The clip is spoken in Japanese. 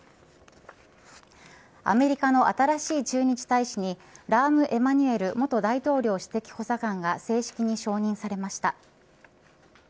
アメリカの新しい駐日大使にラーム・エマニュエル元大統領首席補佐官が正式に承認されました。